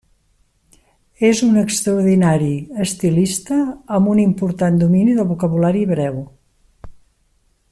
És un extraordinari estilista, amb un important domini del vocabulari hebreu.